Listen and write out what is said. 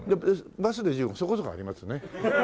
バスで１５分そこそこありますね。